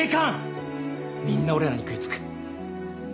みんな俺らに食いつく。